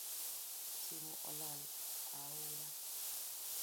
Simu olal aora